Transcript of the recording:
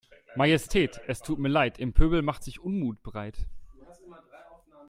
Majestät es tut mir Leid, im Pöbel macht sich Unmut breit.